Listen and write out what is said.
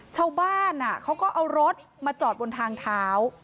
ชาวบ้านเขาก็เอารถมาจอดบนทางเท้า